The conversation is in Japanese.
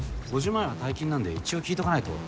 ５０万円は大金なんで一応聞いとかないと。